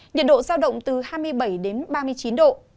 nhiệt độ giao động từ hai mươi bảy đến ba mươi chín độ